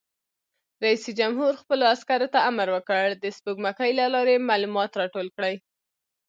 رئیس جمهور خپلو عسکرو ته امر وکړ؛ د سپوږمکۍ له لارې معلومات راټول کړئ!